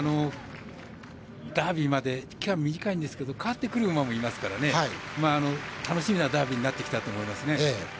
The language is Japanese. ダービーですから変わってくる馬もいますが楽しみなダービーになってきたと思います。